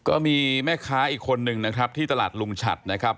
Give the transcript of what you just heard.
ก็มีแม่ค้าอีกคนนึงนะครับที่ตลาดลุงฉัดนะครับ